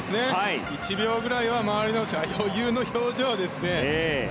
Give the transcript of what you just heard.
１秒ぐらいはああ、余裕の表情ですね。